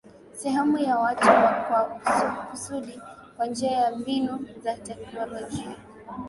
Sehemu ya watu kwa kusudi kwa njia ya mbinu za teknolojia